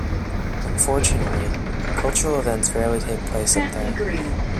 Unfortunately, cultural events rarely take place up there.